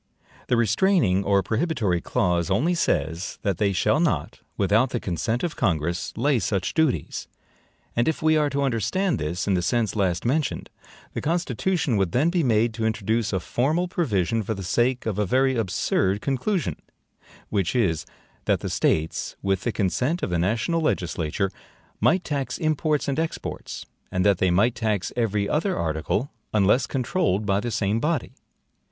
The restraining or prohibitory clause only says, that they shall not, WITHOUT THE CONSENT OF CONGRESS, lay such duties; and if we are to understand this in the sense last mentioned, the Constitution would then be made to introduce a formal provision for the sake of a very absurd conclusion; which is, that the States, WITH THE CONSENT of the national legislature, might tax imports and exports; and that they might tax every other article, UNLESS CONTROLLED by the same body.